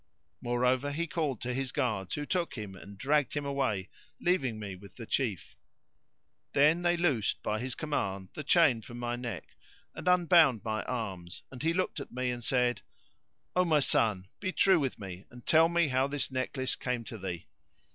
Moreover he called to his guards who took him and dragged him away, leaving me with the Chief. Then they loosed by his command the chain from my neck and unbound my arms; and he looked at me, and said, "O my son, be true with me, and tell me how this necklace came to thee."